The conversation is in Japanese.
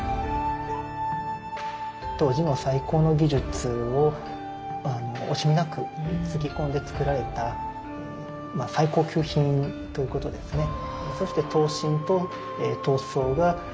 当時の最高の技術を惜しみなくつぎ込んでつくられた最高級品ということですね。